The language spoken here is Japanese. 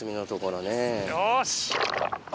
よし！